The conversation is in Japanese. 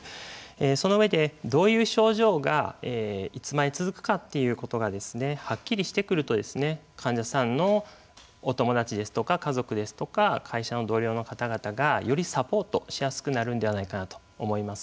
その上でどういう症状がいつまで続くかということがはっきりしてくると患者さんのお友達ですとか家族ですとか会社の同僚の方々がよりサポートしやすくなるんではないかと思います。